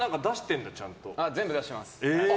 全部出してます。